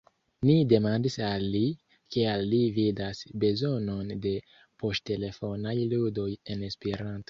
Ni demandis al li, kial li vidas bezonon de poŝtelefonaj ludoj en Esperanto.